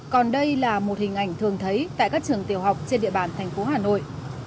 còn đây là một hình ảnh thường thấy tại các trường tiểu học trên địa bàn thành phố hà nội